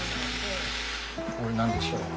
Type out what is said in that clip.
これ何でしょう？